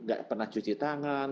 gak pernah cuci tangan